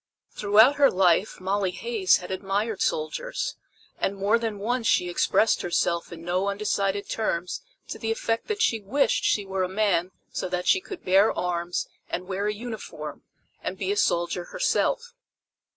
Throughout her life Molly Hays had admired soldiers, and more than once she expressed herself in no undecided terms to the effect that she wished she were a man so that she could bear arms and wear a uniform, and be a soldier herself.